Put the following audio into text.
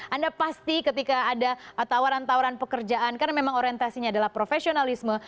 anda pasti ketika ada tawaran tawaran pekerjaan karena memang orientasinya adalah profesionalisme